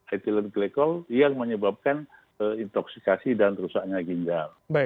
ethylene glycol yang menyebabkan intoxikasi dan kerusaknya ginjal